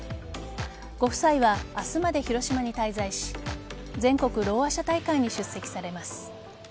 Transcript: ご夫妻は明日まで広島に滞在し全国ろうあ者大会に出席されます。